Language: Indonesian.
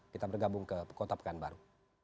kita bergabung ke kota pekanbaru